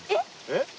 えっ！？